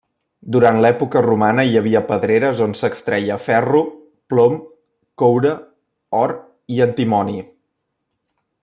Durant l'època romana hi havia pedreres on s'extreia ferro, plom, coure, or i antimoni.